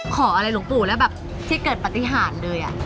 ขออะไรหลวงปู่แล้วแบบที่เกิดปฏิหารเลย